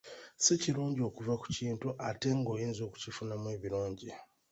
Si kirungi okuva ku kintu ate nga oyinza okukifunamu ebirungi.